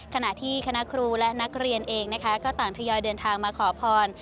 ขณะที่คณะครูและนักเรียนเองนะคะก็ต่างทยอยเดินทางมาขอพร